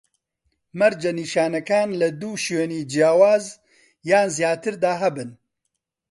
مەرجە نیشانەکان لە دوو شوێنی جیاواز یان زیاتر دا هەبن